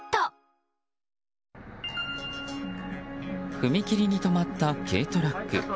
踏切に止まった軽トラック。